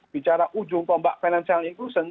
bicara ujung tombak financial inclusion